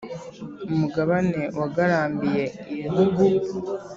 umugabe wagarambiye ibihugu,